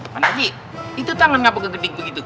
panerji itu tangan kenapa kegeding begitu